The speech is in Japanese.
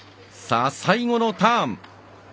さあ、最後のターン。